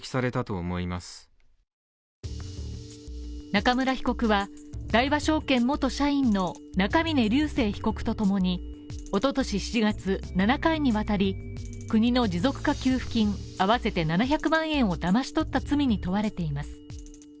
中村被告は、大和証券元社員の中峯竜晟被告とともに、おととし７月、７回にわたり国の持続化給付金合わせて７００万円をだまし取った罪に問われています。